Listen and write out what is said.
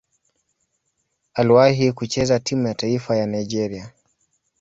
Aliwahi kucheza timu ya taifa ya Nigeria.